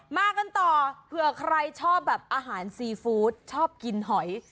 มากันต่อเผื่อใครชอบแบบอาหารซีฟู้ดชอบกินหอย